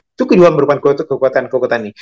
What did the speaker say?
itu kedua merupakan kekuatan kekuatan ini